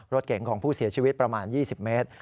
รถเก๋งของผู้เสียชีวิตประมาณ๒๐เมตร